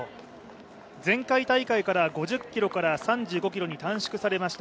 前回大会から５０ｋｍから３５ｋｍに短縮されました